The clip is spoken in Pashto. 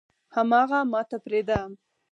حم اغه ماته پرېده.